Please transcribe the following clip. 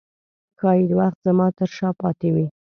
ښايي وخت زما ترشا پاته و